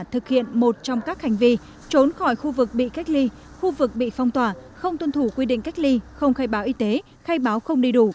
thực hiện một trong các hành vi trốn khỏi khu vực bị cách ly khu vực bị phong tỏa không tuân thủ quy định cách ly không khai báo y tế khai báo không đầy đủ